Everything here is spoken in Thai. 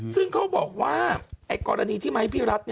ซึ่งเขาบอกว่ากรณีที่ไมค์พี่รัฐ